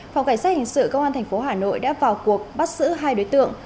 phòng cảnh sát hình sự công an tp hà nội đã vào cuộc bắt xử hai đối tượng